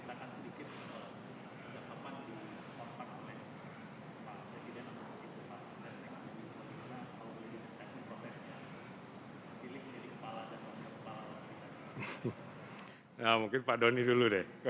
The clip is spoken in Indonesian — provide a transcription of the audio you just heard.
jadi dengan begitu pak dari negatif bagaimana kalau boleh ditekni programnya